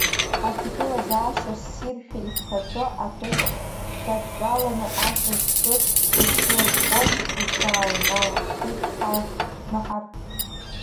Аҭагылазаашьа ссиршәа иԥхьаӡо, аԥечқь дадтәаланы асас ԥҳәыс лыҽшлырԥхоз, дааҩнашылт Наҳар.